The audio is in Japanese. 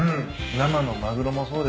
生のマグロもそうです。